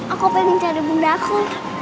aku pengen cari bunda aku